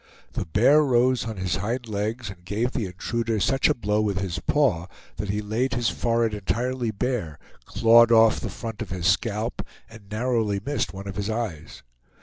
The bear rose on his hind legs, and gave the intruder such a blow with his paw that he laid his forehead entirely bare, clawed off the front of his scalp, and narrowly missed one of his eyes.